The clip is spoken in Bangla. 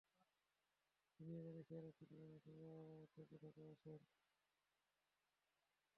তিনি এয়ার এশিয়ার একটি বিমানে সংযুক্ত আরব আমিরাত থেকে ঢাকায় আসেন।